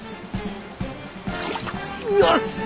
よし！